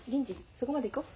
そこまで行こう。